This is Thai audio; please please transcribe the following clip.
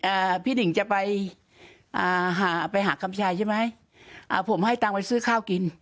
อ่าพี่หนิ่งจะไปอ่าหาไปหาคำชายใช่ไหมอ่าผมให้ตังค์ไปซื้อข้าวกิน